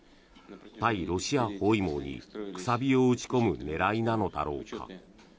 対ロシア包囲網に楔を打ち込む狙いなのだろうか。